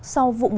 sau vụ một sáu